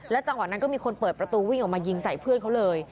จังหวะนั้นก็มีคนเปิดประตูวิ่งออกมายิงใส่เพื่อนเขาเลย